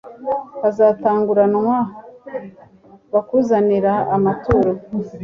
bazatanguranwa bakuzanira amaturo